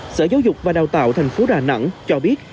sở giáo dục và đào tạo thành phố đà nẵng cho biết